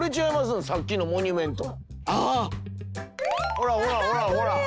ほらほらほらほら。